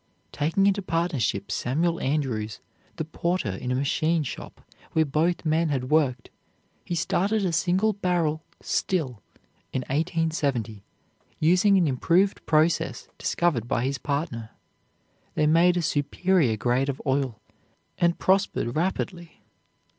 Taking into partnership Samuel Andrews, the porter in a machine shop where both men had worked, he started a single barrel "still" in 1870, using an improved process discovered by his partner. They made a superior grade of oil and prospered rapidly.